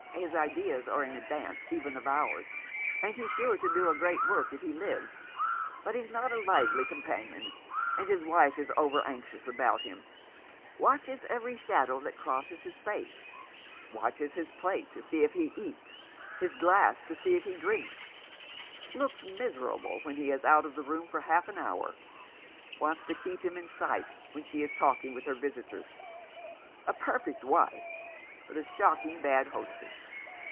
His ijdeas are in advance even of ours, and he's sure to do a great work if he lives ; but he's not a lively 389 Rough Justice. companion, and his wife is over anxious about him — watches every shadow that crosses his face ; watches his plate to see if he eats, his glass to see if he drinks ; looks miserable when he is out of the room for half an hour ; wants to keep him in sight when she is talking with her visitors ;— a per fect wife, but a shocking bad hostess.